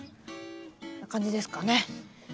こんな感じですかね？